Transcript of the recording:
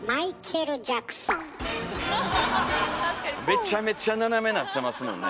めちゃめちゃ斜めなってますもんね。